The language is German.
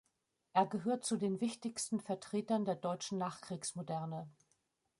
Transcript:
Er gehört zu den wichtigsten Vertretern der deutschen Nachkriegsmoderne.